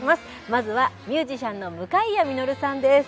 まずはミュージシャンの向谷実さんです。